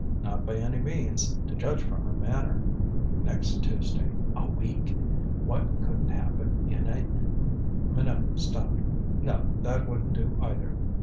Not by any means, to judge from her manner. Next Tuesday a week. What couldn't happen in a Minot stopped. No, that wouldn't do, either.